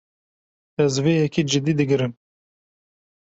Ez vê yekê cidî digirim.